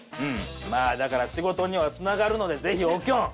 まあだから仕事には繋がるのでぜひおきょん